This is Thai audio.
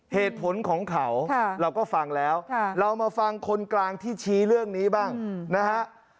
เหตุผลของเขาเราก็ฟังแล้วเรามาฟังคนกลางที่ชี้เรื่องนี้บ้างนะฮะ